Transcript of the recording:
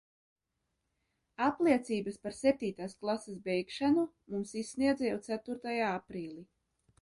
Apliecības par septītās klases beigšanu mums izsniedza jau ceturtajā aprīlī.